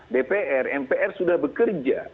dpr mpr sudah bekerja